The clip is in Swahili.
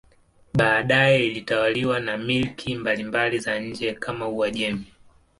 Baadaye ilitawaliwa na milki mbalimbali za nje kama Uajemi.